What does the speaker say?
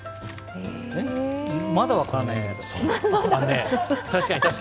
まだ分からないんだけど。